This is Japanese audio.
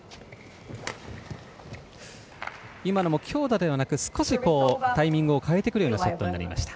今のも強打ではなく少し、タイミングを変えてくるようなショットになりました。